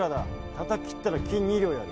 たたき斬ったら金２両やる。